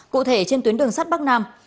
cụ thể trên tuyến đường sắt bắc nam